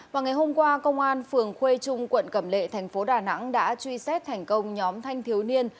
vào ngày hôm qua công an phường khuê trung quận cẩm lệ thành phố đà nẵng đã truy xét thành công nhóm thanh thiếu niên